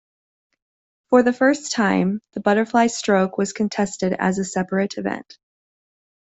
For the first time, the butterfly stroke was contested as a separate event.